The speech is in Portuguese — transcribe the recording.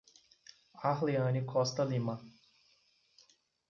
Arleany Costa Lima